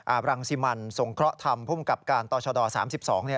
อาบรังซีมันสงเคราะห์ธรรมภูมิกับการต่อชาวดอร์๓๒